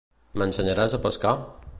M'ensenyaràs a pescar?